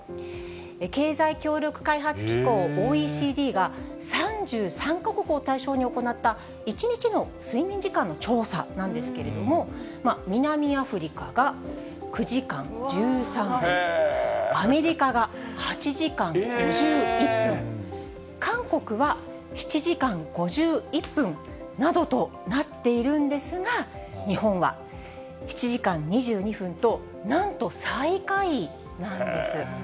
経済協力開発機構・ＯＥＣＤが３３か国を対象に行った、１日の睡眠時間の調査なんですけれども、南アフリカが９時間１３分、アメリカが８時間５１分、韓国は７時間５１分などとなっているんですが、日本は７時間２２分と、なんと最下位なんです。